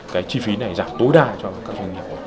cái chi phí này giảm tối đa cho các doanh nghiệp